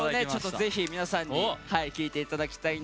ぜひ皆さんに聴いていただきたいなと思います。